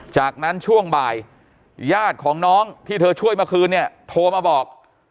จากนั้นช่วงบ่ายญาติของน้องที่เธอช่วยเมื่อคืนเนี่ยโทรมาบอก